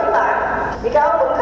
và bị cáo cũng không nghĩ ra